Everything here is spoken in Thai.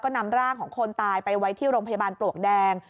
นำร่างของคนตายไปไว้ที่โรงพยาบาลปลวกแดง